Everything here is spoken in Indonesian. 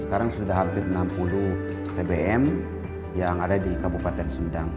sekarang sudah hampir enam puluh tbm yang ada di kabupaten sumedang